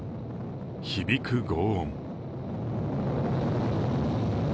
響くごう音。